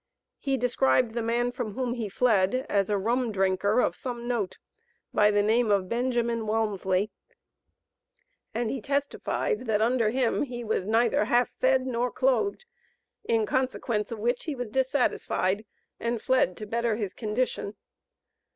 He described the man from whom he fled as a "rum drinker" of some note, by the name of Benjamin Walmsly, and he testified that under him he was neither "half fed nor clothed," in consequence of which he was dissatisfied, and fled to better his condition.